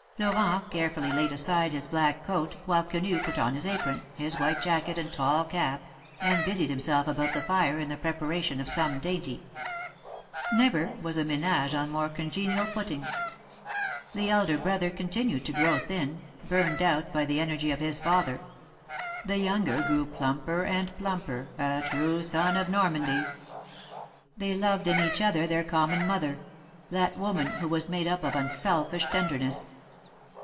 Florent carefully laid aside his black coat, while Quenu put on his apron, his white jacket and tall cap, and busied himself about the fire in the prepara tion of some dainty. Never was a manage on more THE MARKETS OF PARIS. 65 congenial footing. The elder brother continued to grow thin, burned out by the energy of his father ; the younger grew plumper and plumper, a true son of Normandy. They loved in each other their common mother — that woman who was made up of unselfish tenderness.